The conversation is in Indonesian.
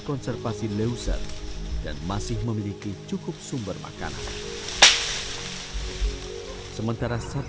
kebanyakan hidup mereka berkarir